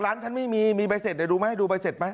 ร้านฉันไม่มีดูไหมเสร็จไหม